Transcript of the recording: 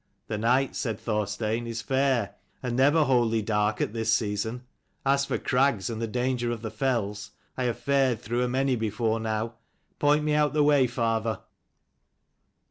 "The night," said Thorstein, "is fair, and never wholly dark at this season. As for crags and the dangers of the fells, I have fared through a many before now. Point me out the way, father."